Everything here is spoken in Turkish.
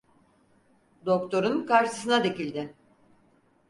Doktorun karşısına dikildi.